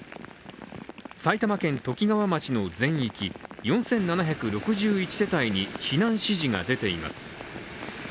埼玉県ときがわ町の全域４７６１世帯に避難指示が出ています。